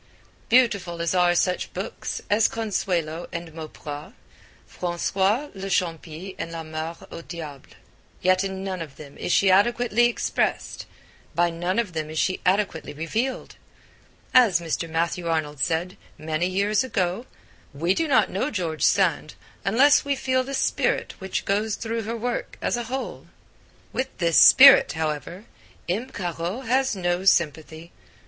Beautiful as are such books as Consuelo and Mauprat, Francois le Champi and La Mare au Diable, yet in none of them is she adequately expressed, by none of them is she adequately revealed. As Mr. Matthew Arnold said, many years ago, 'We do not know George Sand unless we feel the spirit which goes through her work as a whole.' With this spirit, however, M. Caro has no sympathy.